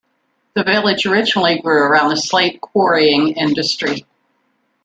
The village originally grew around the slate quarrying industry.